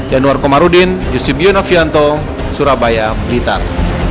januar komarudin yusuf yunafianto surabaya blitar